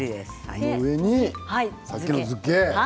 その上にさっきの漬け。